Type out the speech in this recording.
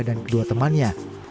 dan kedua temannya